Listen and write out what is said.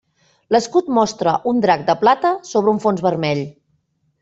L'escut mostra un drac de plata sobre un fons vermell.